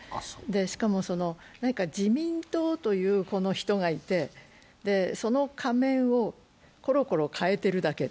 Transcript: しかも何か自民党という人がいて、その仮面をコロコロ変えてるだけ。